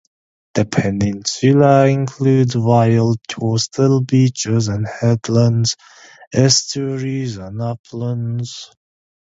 The peninsula includes wild coastal beaches and headlands, estuaries, and uplands.